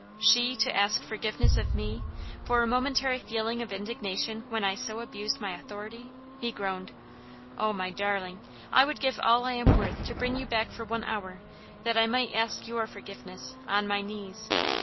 "She to ask forgiveness of me, for a momentary feeling of indignation when I so abused my authority," he groaned. "Oh, my darling! I would give all I am worth to bring you back for one hour, that I might ask your forgiveness, on my knees."